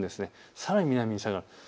さらに南に下がるんです。